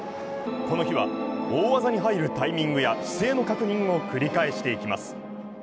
この日は大技に入るタイミングや姿勢の確認を繰り返していきます。